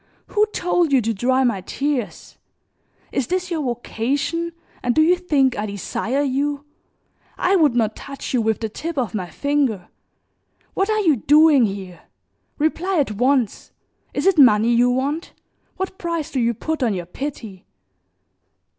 Who told you to dry my tears? Is this your vocation and do you think I desire you? I would not touch you with the tip of my finger. What are you doing here? Reply at once. Is it money you want? What price do you put on your pity?"